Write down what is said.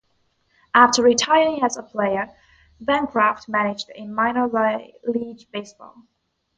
After retiring as a player, Bancroft managed in minor league baseball.